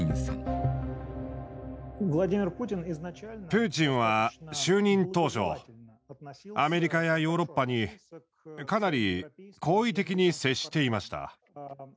プーチンは就任当初アメリカやヨーロッパにかなり好意的に接していました。